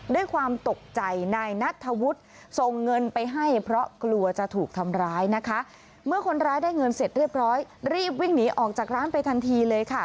ด้วยความตกใจนายนัทธวุฒิส่งเงินไปให้เพราะกลัวจะถูกทำร้ายนะคะเมื่อคนร้ายได้เงินเสร็จเรียบร้อยรีบวิ่งหนีออกจากร้านไปทันทีเลยค่ะ